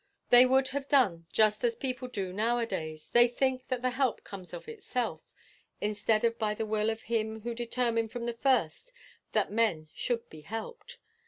They would have done just as people do now a days: they think that the help comes of itself, instead of by the will of him who determined from the first that men should be helped.